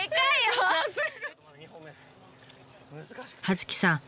葉月さん